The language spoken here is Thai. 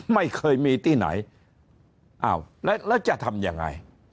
ไม่เคยมีที่ไหนอ้าวแล้วจะทำยังไง